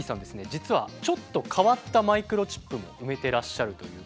実はちょっと変わったマイクロチップも埋めてらっしゃるということで。